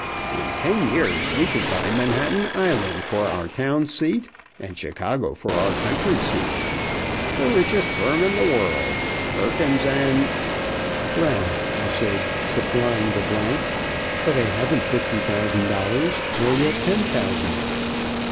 In ten years we can buy Manhattan Island for our town seat and Chicago for our country seat. The richest firm in the world Perkins and " "Brown," I said, supplying the blank; "but I haven't fifty thousand dollars, nor yet ten thousand."